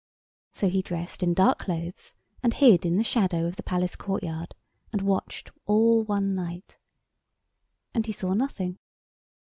So he dressed in dark clothes and hid in the shadow of the palace courtyard and watched all one night. And he saw nothing.